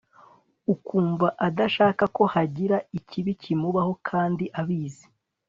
akumva adashaka ko hagira ikibi kimubaho kandi abizi